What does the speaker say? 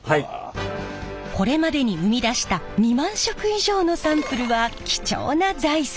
これまでに生み出した２万色以上のサンプルは貴重な財産。